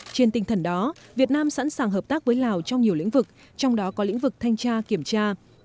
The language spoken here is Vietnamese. trên tinh thần đó việt nam sẵn sàng hợp tác với lào trong nhiều lĩnh vực trong đó có lĩnh vực thanh tra kiểm tra